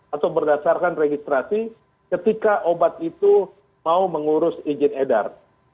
atau berdasarkan registrasi ketika obat itu mau mengurus izin edar